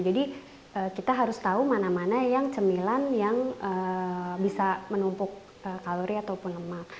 jadi kita harus tahu mana mana yang cemilan yang bisa menumpuk kalori atau pun lemak